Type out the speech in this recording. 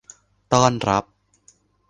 ต้อนรับ